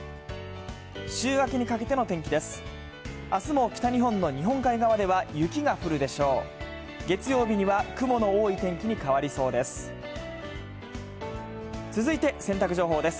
週明けにかけての天気です。